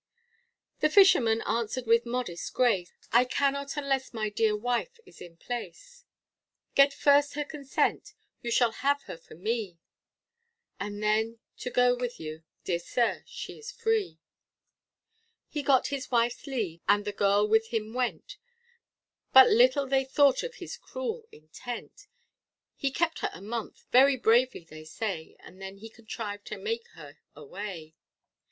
The fisherman answered with modest grace, I cannot unless my dear wife is in place; Get first her consent you shall have her for me, And then to go with you, dear sir, she is free. He got his wife's leave, and the girl with him went, But little they thought of his cruel intent: He kept her a month, very bravely, they say, And then he contrived to make her away.